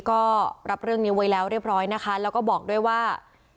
ก็รับเรื่องนี้ไว้แล้วเรียบร้อยนะคะแล้วก็บอกด้วยว่า